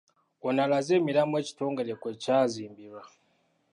Ono alaze emiramwa ekitongole kwe kya zimbirwa.